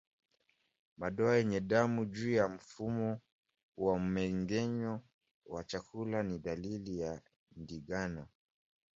Madoa yenye damu juu ya mfumo wa mmengenyo wa chakula ni dalili ya ndigana